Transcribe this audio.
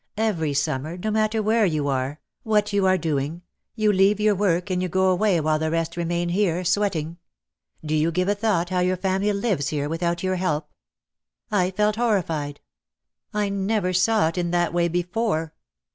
Every summer, no matter where you are, 3£4 OUT OF THE SHADOW what you are doing, you leave your work and you go away while the rest remain here sweating. Do you give a thought how your family lives here without your help?" I felt horrified. I never saw it in that way before.